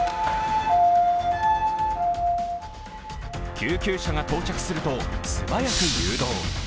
救急車が到着すると素早く誘導。